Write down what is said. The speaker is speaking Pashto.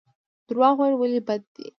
درواغ ویل ولې بد دي؟